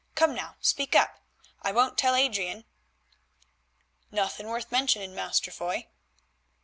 Come now, speak up. I won't tell Adrian." "Nothing worth mentioning, Master Foy."